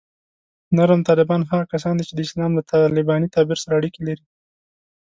نرم طالبان هغه کسان دي چې د اسلام له طالباني تعبیر سره اړیکې لري